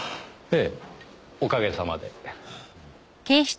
ええおかげさまで。